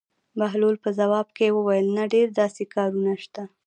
بهلول په ځواب کې وویل: نه ډېر داسې کارونه شته.